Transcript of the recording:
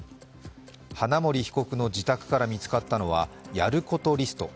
花森被告の自宅から見つかったのは、やることリスト。